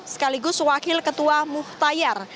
sekaligus wakil ketua muhtayar